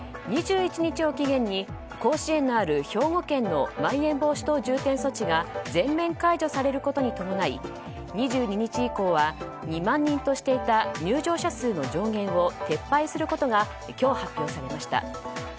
２１日を期限に甲子園のある兵庫県のまん延防止等重点措置が全面解除されることに伴い２２日以降は、２万人としていた入場者数の上限を